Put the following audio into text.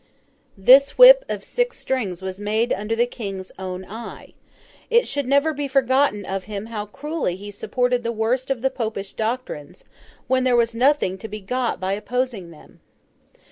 This whip of six strings was made under the King's own eye. It should never be forgotten of him how cruelly he supported the worst of the Popish doctrines when there was nothing to be got by opposing them.